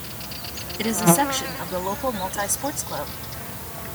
It is a section of the local multi-sports Club.